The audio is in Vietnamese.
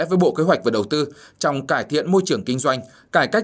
với bộ kế hoạch và đầu tư trong cải thiện môi trường kinh doanh cải cách